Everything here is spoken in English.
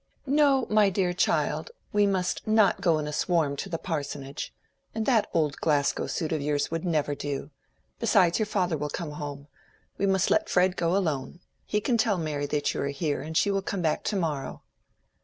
"No, my dear child, we must not go in a swarm to the parsonage. And that old Glasgow suit of yours would never do. Besides, your father will come home. We must let Fred go alone. He can tell Mary that you are here, and she will come back to morrow."